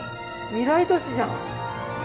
未来都市じゃん。